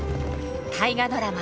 大河ドラマ